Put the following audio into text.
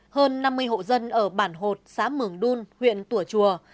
hơn năm mươi hộ dân ở bản hột xã mường đun huyện tủa chùa